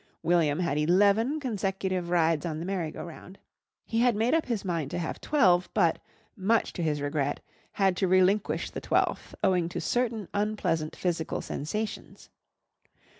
William had eleven consecutive rides on the merry go round. He had made up his mind to have twelve, but, much to his regret, had to relinquish the twelfth owing to certain unpleasant physical sensations.